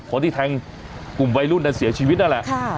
คนที่แทงกลุ่มวัยรุ่นนั้นเสียชีวิตนั่นแหละ